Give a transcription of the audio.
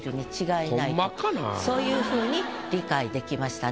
そういうふうに理解できましたね。